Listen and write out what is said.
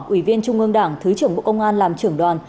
ủy viên trung ương đảng thứ trưởng bộ công an làm trưởng đoàn